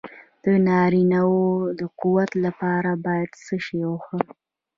د نارینه وو د قوت لپاره باید څه شی وخورم؟